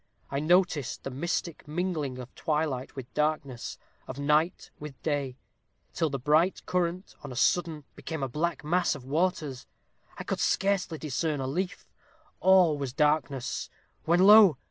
I noticed the mystic mingling of twilight with darkness of night with day, till the bright current on a sudden became a black mass of waters. I could scarcely discern a leaf all was darkness when lo!